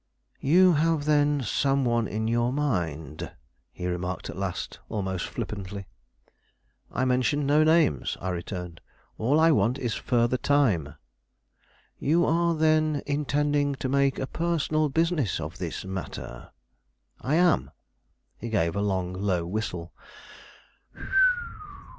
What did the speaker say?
"You have, then, some one in your mind"; he remarked at last, almost flippantly. "I mention no names," I returned. "All I want is further time." "You are, then, intending to make a personal business of this matter?" "I am." He gave a long, low whistle.